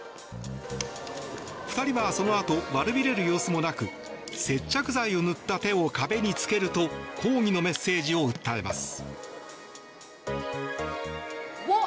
２人はそのあと悪びれる様子もなく接着剤を塗った手を壁につけると抗議のメッセージを訴えます。